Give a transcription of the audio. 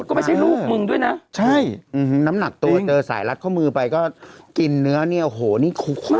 ก็ไม่ใช่ลูกมึงด้วยนะใช่น้ำหนักตัวเจอสายรัดข้อมือไปก็กินเนื้อเนี่ยโอ้โหนี่คุกมาก